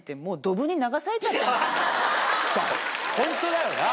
ホントだよな。